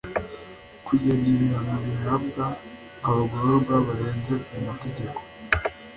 kugena ibihano bihabwa abagororwa barenze ku mategeko